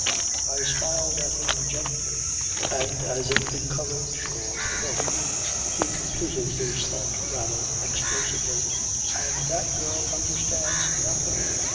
I smiled at him gently, and as if encouraged or provoked, he completed his thought rather explosively. "And that girl understands nothing